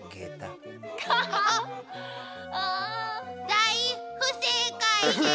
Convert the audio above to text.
大不正解です。